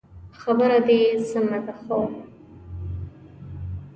خبره دي سمه ده خو